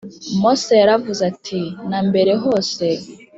Mose yaravuze ati na mbere hose